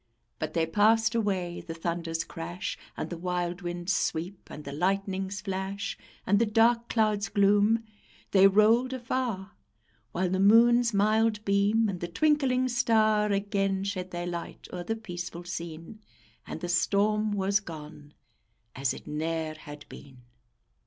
But they passed away; the thunder's crash, And the wild wind's sweep, and the lightning's flash, And the dark cloud's gloom; they rolled afar; While the moon's mild beam, and the twinkling star Again shed their light o'er the peaceful scene, And the storm was gone, as it ne'er had been.